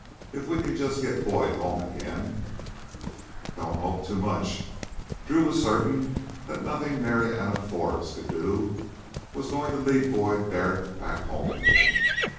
If we can just get Boyd home again " "Don't hope too much." Drew was certain that nothing Marianna Forbes could do was going to lead Boyd Barrett back home again.